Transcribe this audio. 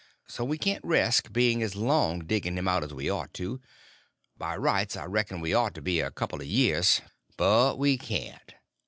So we can't resk being as long digging him out as we ought to. By rights I reckon we ought to be a couple of years; but we can't.